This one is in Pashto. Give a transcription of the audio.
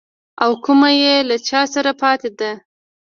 او کومه يې له چا سره پاته ده.